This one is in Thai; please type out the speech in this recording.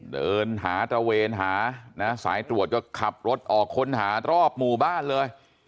เดินหาตระเวนหานะสายตรวจก็ขับรถออกค้นหารอบหมู่บ้านเลย